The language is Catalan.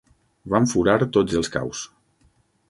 Vam furar tots els caus.